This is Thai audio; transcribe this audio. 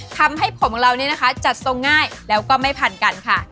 ทำให้ผมของเรานี่นะคะจัดทรงง่ายแล้วก็ไม่พันกันค่ะ